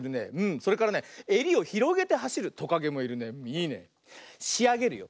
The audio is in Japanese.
それからねえりをひろげてはしるトカゲもいるね。いいね。しあげるよ。